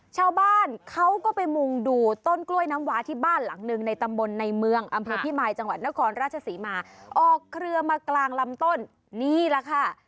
ชาวบ้านเขาก็ไปมุงดูต้นกล้วยน้ำวาที่บ้านหลังหนึ่งในตำบลในเมืองอำเภอพิมายจังหวัดนครราชศรีมาออกเครือมากลางลำต้นนี่แหละค่ะ